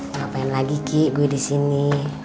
ngapain lagi ki gue disini